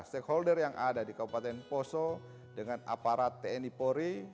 stakeholder yang ada di kabupaten poso dengan aparat tni polri